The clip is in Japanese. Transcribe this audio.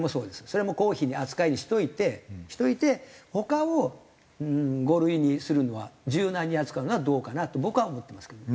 それも公費扱いにしといて他を５類にするのは柔軟に扱うのはどうかなと僕は思ってますけど。